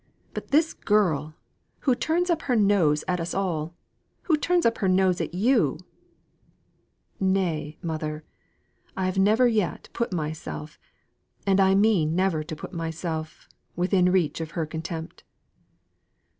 But this girl, who turns up her nose at us all who turns up her nose at you " "Nay, mother; I have never yet put myself, and I mean never to put myself, within reach of her contempt."